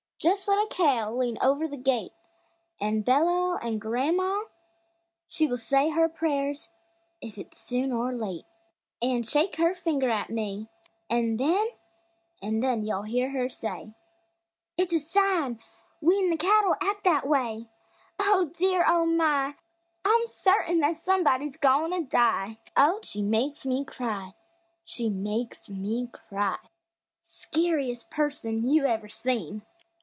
Just let a cow lean over the gate An' bellow, an' gran'ma she Will say her prayers, if it's soon or late, An' shake her finger at me! An' then, an' then you'll hear her say: "It's a sign w'en the cattle act that way! Oh, dear! Oh, my! I'm certain 'at somebody's goin' to die!" Oh, she makes me cry She makes me cry! Skeeriest person you ever seen!